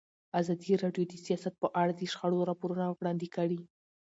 ازادي راډیو د سیاست په اړه د شخړو راپورونه وړاندې کړي.